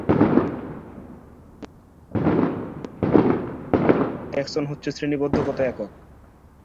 ঐতিহাসিক কারণে রেল মন্ত্রক ভারতের সাধারণ বাজেটের বাইরে একটি পৃথক বাজেট পেশ করে থাকে।